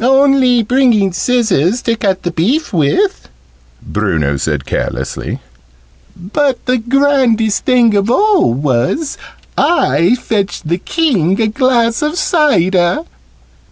"Only bringing scissors to cut the beef with," Bruno said carelessly. "But the grandest thing of all was, I fetched the King a glass of cider!"